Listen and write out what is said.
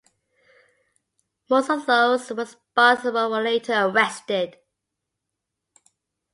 Most of those responsible were later arrested.